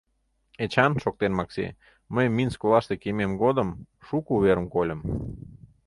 — Эчан, — шоктен Макси, — мый Минск олаште кийымем годым шуко уверым кольым.